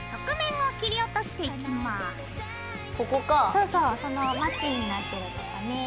そうそうそのマチになってるとこね。